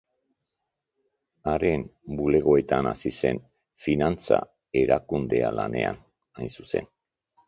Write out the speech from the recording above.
Haren bulegoetan hasi zen finantza-erakundea lanean, hain zuzen.